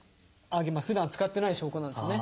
ふだん使ってない証拠なんですね。